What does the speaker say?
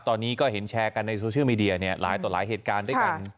ตอนนี้ก็เห็นแชร์กันในโซเชียลมีเดียหลายต่อหลายเหตุการณ์ด้วยกัน